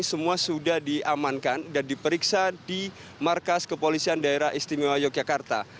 semua sudah diamankan dan diperiksa di markas kepolisian daerah istimewa yogyakarta